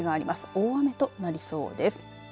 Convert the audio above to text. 大雨となりそうです。